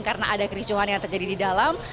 karena ada kericauan yang terjadi di dalam